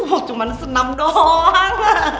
wah cuman senam doang